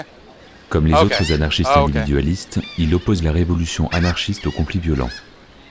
Comme les autres anarchistes individualistes, il oppose la révolution anarchiste au conflit violent.